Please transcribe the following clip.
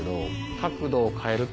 角度を変えると。